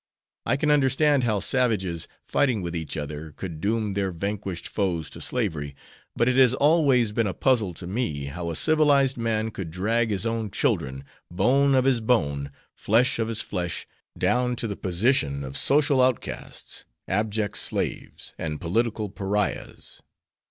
I can understand how savages, fighting with each other, could doom their vanquished foes to slavery, but it has always been a puzzle to me how a civilized man could drag his own children, bone of his bone, flesh of his flesh, down to the position of social outcasts, abject slaves, and political pariahs."